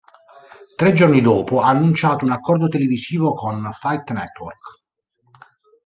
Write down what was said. Tre giorni dopo, ha annunciato un accordo televisivo con Fight Network.